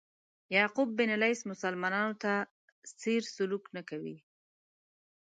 یعقوب بن لیث مسلمانانو په څېر سلوک نه کوي.